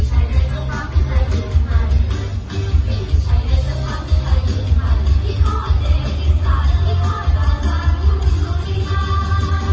อยากจะจับผ้าน่าคุ้มโดยร้ายเผื่อว่าคุ้มกันทั้งส่วนของส่วนพอดีมันล้วนอ่าอ่าอ่าอ่าอ่าอ่าอ่าอ่า